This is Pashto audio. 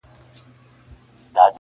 ځكه وايي پردى كټ تر نيمو شپو دئ--!